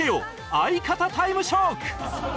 相方タイムショック！